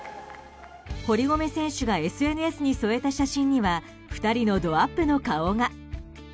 堀米選手がＳＮＳに添えた写真には２人のドアップの顔が。